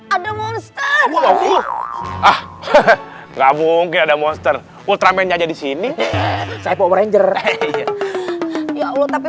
ada monster ah hehehe nggak mungkin ada monster ultraman jadi sini saya ranger ya allah tapi